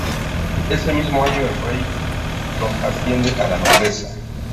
Ese mismo año el rey lo asciende a la nobleza.